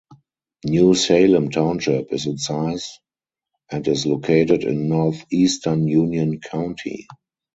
New Salem Township is in size and is located in northeastern Union County.